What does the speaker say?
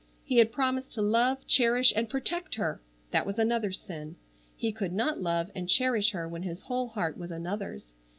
He had promised to love, cherish, and protect her! That was another sin. He could not love and cherish her when his whole heart was another's.